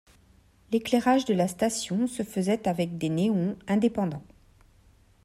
L'éclairage de la station se faisait avec des néons indépendants.